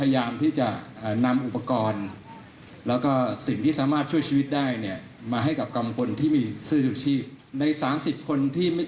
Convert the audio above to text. ยังมีผู้สูญหาอยู่๑๒คน